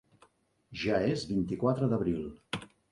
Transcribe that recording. Ja és vint-i-quatre d'abril.